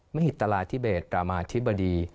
มหิตราธิเบศรามาธิบดี